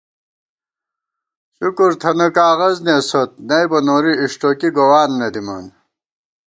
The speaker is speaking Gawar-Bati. شکر تھنہ کاغذنېسوت نئیبہ نوری اِݭٹوکی گووان نہ دِمان